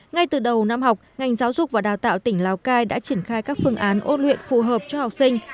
ngay từ đầu năm học ngành giáo dục và đào tạo tỉnh lào cai đã triển khai các phương án ôn luyện phù hợp cho học sinh